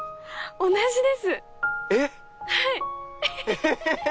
エヘヘ！